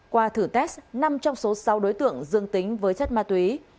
qua thử test năm trong số sáu đối tượng dương tính với chất ma túy